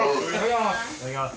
いただきます。